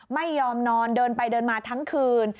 ไม่ยอมนอนเดินไปเดินมาทั้งคืน